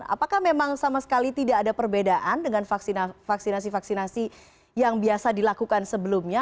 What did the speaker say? apakah memang sama sekali tidak ada perbedaan dengan vaksinasi vaksinasi yang biasa dilakukan sebelumnya